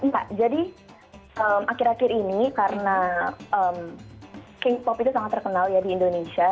ya jadi akhir akhir ini karena k pop itu sangat terkenal ya di indonesia